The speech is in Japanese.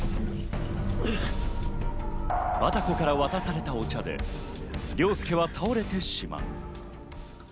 バタコから渡されたお茶で凌介は倒れてしまう。